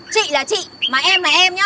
chị là chị mà em là em nhá